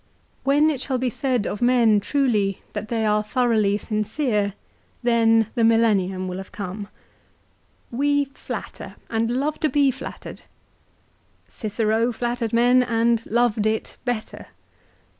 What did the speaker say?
When it shall be said of men truly that they are thoroughly 300 LIFE OF CICERO. sincere, then the millennium will have come. We natter and love to be flattered. Cicero flattered men and loved it "better.